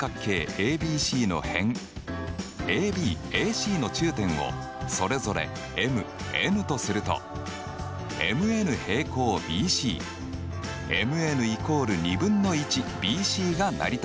ＡＢＣの辺ＡＢＡＣの中点をそれぞれＭＮとするとＭＮ／／ＢＣＭＮ＝ＢＣが成り立ちます。